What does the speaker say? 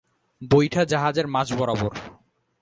বৈঠা জাহাজের মাঝ বরাবর।